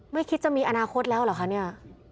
ไม่คิดจะมีอนาคตแล้วเหรอคะเนี่ย